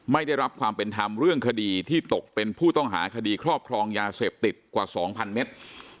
ไม่ได้รับความเป็นธรรมเรื่องคดีที่ตกเป็นผู้ต้องหาคดีครอบครองยาเสพติดกว่า๒๐๐เมตร